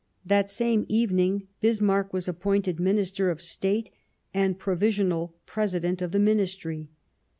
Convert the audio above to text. That same evening Bismarck was appointed Minister of State and Provisional President of the Ministry.